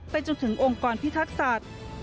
จนถึงองค์กรพิทักษัตริย์